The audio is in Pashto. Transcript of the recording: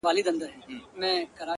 کال ته به مرمه ـ